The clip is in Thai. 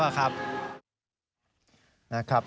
คือเขาอยู่ในใจตลอดอยู่แล้ว